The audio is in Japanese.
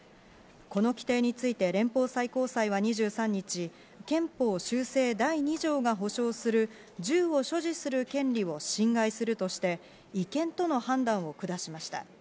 この規定について連邦最高裁は２３日、憲法修正第２条が保障する銃を所持する権利を侵害するとして、違憲との判断を下しました。